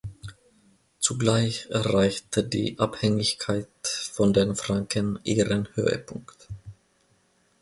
Zugleich erreichte die Abhängigkeit von den Franken ihren Höhepunkt.